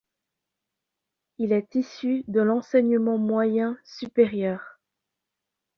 Il est issu de l'enseignement moyen supérieur.